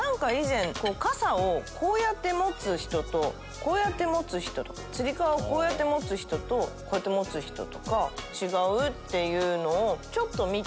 傘をこうやって持つ人とこうやって持つ人とかつり革をこうやって持つ人とこうやって持つ人とか違うっていうのをちょっと見て。